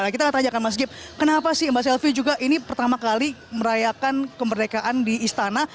kita akan tanyakan mas gib kenapa sih mbak selvi juga ini pertama kali merayakan kemerdekaan di istana